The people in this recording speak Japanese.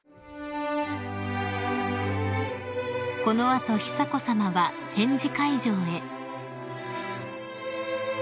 ［この後久子さまは展示会場へ］